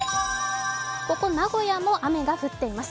ここ名古屋も雨が降っています。